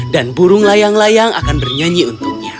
dan burung layang layang akan bernyanyi untuknya